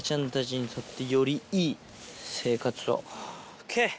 ＯＫ。